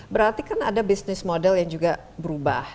berarti kan ada bisnis model yang juga berubah